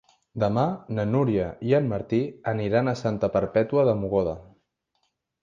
Demà na Núria i en Martí aniran a Santa Perpètua de Mogoda.